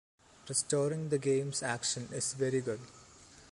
Restoring the game’s action is very good.